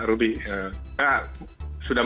ruby karena sudah